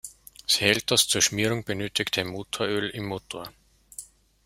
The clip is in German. Sie hält das zur Schmierung benötigte Motoröl im Motor.